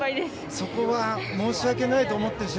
そこは申し訳ないと思っている人は